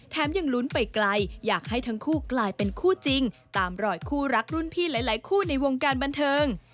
ยังลุ้นไปไกลอยากให้ทั้งคู่กลายเป็นคู่จริงตามรอยคู่รักรุ่นพี่หลายคู่ในวงการบันเทิง